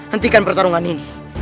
hentikan pertarungan ini